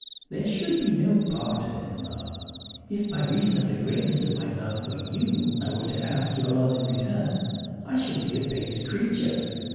There should be no barter in love. If, by reason of the greatness of my love for you, I were to ask your love in return, I should be a base creature.